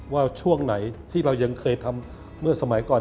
ว่าช่วงไหนที่เรายังเคยทำเมื่อสมัยก่อน